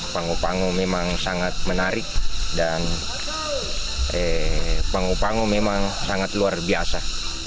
pangu pangu memang sangat menarik dan pangu pangu memang sangat luar biasa